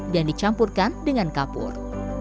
dan dicampurkan dengan kapur